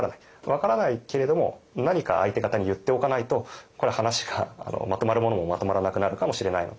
分からないけれども何か相手方に言っておかないとこれは話がまとまるものもまとまらなくなるかもしれないので